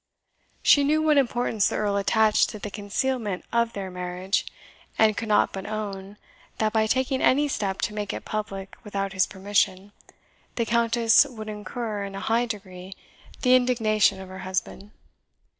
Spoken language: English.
She knew what importance the Earl attached to the concealment of their marriage, and could not but own, that by taking any step to make it public without his permission, the Countess would incur, in a high degree, the indignation of her husband.